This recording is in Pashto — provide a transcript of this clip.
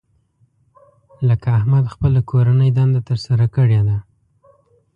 لکه احمد خپله کورنۍ دنده تر سره کړې ده.